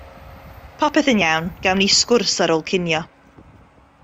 Popeth yn iawn, gawn ni sgwrs ar ôl cinio.